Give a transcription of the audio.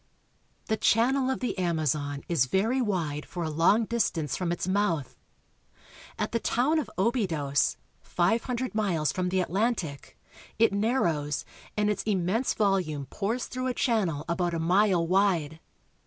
The channel of the Amazon is very wide for a long dis tance from its mouth. At the town of Obidos (o be^dos), five hundred miles from the Atlantic, it narrows, and its immense volume pours through a channel about a mile wide.